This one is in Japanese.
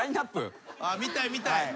見たい見たい。